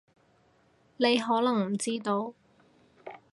你可能唔知道